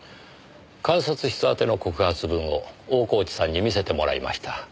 監察室宛ての告発文を大河内さんに見せてもらいました。